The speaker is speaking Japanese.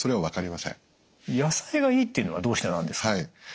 野菜がいいっていうのはどうしてなんですか？